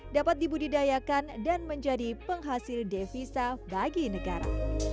dapat dibudidayakan dan menjadi penghasil devisa bagi negara